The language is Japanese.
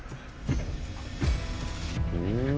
うん！